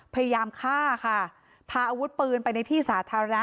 พยายามฆ่าค่ะพาอาวุธปืนไปในที่สาธารณะ